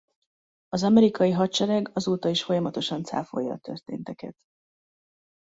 Az amerikai hadsereg azóta is folyamatosan cáfolja a történteket.